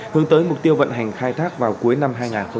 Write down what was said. hướng tới mục tiêu vận hành khai thác vào cuối năm hai nghìn hai mươi